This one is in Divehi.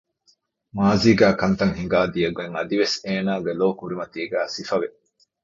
މާޒީގައި ކަންތައް ހިނގާ ދިޔަ ގޮތް އަދިވެސް އޭނާގެ ލޯ ކުރިމަތީގައި ސިފަވެ